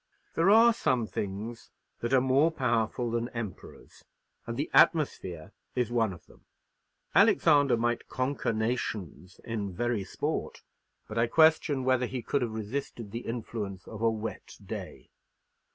There are some things that are more powerful than emperors, and the atmosphere is one of them. Alexander might conquer nations in very sport; but I question whether he could have resisted the influence of a wet day.